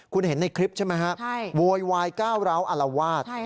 คุณเห็นในคลิปใช่ไหมฮะโวยวายก้าวร้าวอารวาส